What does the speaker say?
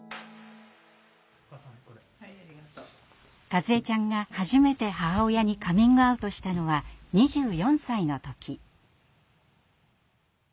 かずえちゃんが初めて母親にカミングアウトしたのは２４歳の時。